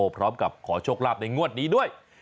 พร้อมกับขอโชคลาภในงวดนี้ด้วย